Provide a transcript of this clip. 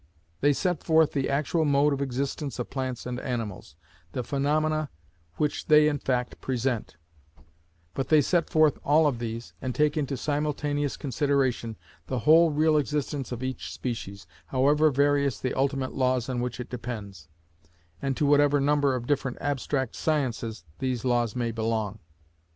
They set forth the actual mode of existence of plants and animals, the phaenomena which they in fact present: but they set forth all of these, and take into simultaneous consideration the whole real existence of each species, however various the ultimate laws on which it depends, and to whatever number of different abstract sciences these laws may belong.